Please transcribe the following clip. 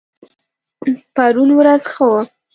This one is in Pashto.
پرون ورځ ښه وه